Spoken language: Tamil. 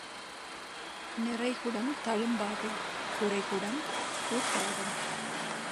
நிறை குடம் தளும்பாது, குறைகுடம் கூத்தாடும்.